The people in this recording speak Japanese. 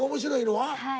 はい。